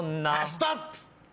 ストップ。